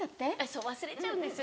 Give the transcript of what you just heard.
そう忘れちゃうんですよ。